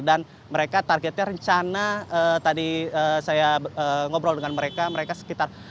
dan mereka targetnya rencana tadi saya ngobrol dengan mereka